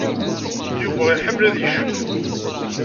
Yuba iḥemmel ad yecnu.